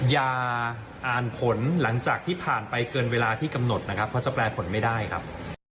อย่าอ่านผลหลังจากที่ผ่านไปเกินเวลาที่กำหนดนะครับ